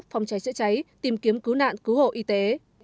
phòng cháy chữa cháy tìm kiếm cứu nạn cứu hộ y tế